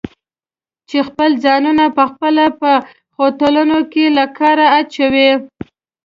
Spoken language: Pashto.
چې خپل ځانونه پخپله په خوټلون کې له کاره اچوي؟